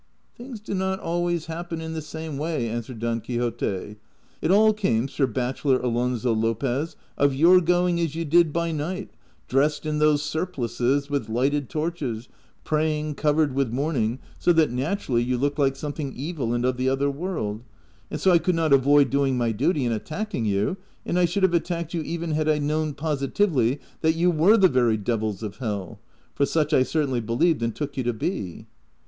" Things do not always happen in the same way,'' answered Don Quixote ;" it all came. Sir Bachelor Alonzo Lopez, of your going, as you did, by night, dressed in those surplices, with lighted torches, praying, covered with mourning, so that natu rally you looked like something evil and of the other world ; and so I could not avoid doing my duty in attacking you, and I should have attacked you even had I known positively that you were the very devils of hell, for such I certainly believed and took you to be."